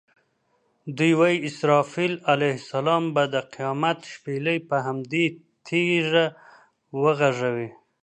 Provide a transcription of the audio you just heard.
دوی وایي اسرافیل علیه السلام به د قیامت شپېلۍ پر همدې تیږه وغږوي.